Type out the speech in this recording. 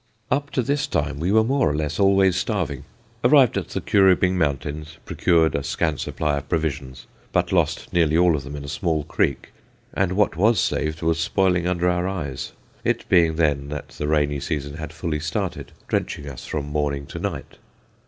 Up to this time we were more or less always starving. Arrived at the Curubing mountains, procured a scant supply of provisions, but lost nearly all of them in a small creek, and what was saved was spoiling under our eyes, it being then that the rainy season had fully started, drenching us from morning to night.